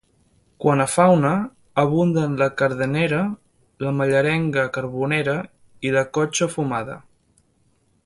Quant a fauna, abunden la cadernera, la mallerenga carbonera i la cotxa fumada.